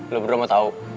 lo bener mau tau